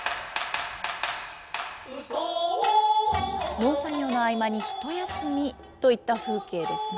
農作業の合間に一休みといった風景ですね。